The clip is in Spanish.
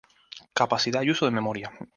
Capacidad y uso de memoria.